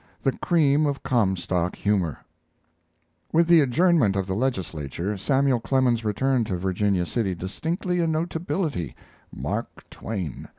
XLI. THE CREAM OF COMSTOCK HUMOR With the adjournment of the legislature, Samuel Clemens returned to Virginia City distinctly a notability Mark Twain.